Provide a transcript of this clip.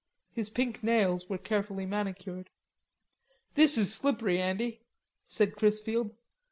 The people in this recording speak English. His pink nails were carefully manicured. "This is Slippery, Andy," said Chrisfield.